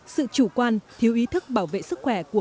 sự chủ quan thiếu ý thức bảo vệ sức khỏe của ngay lúc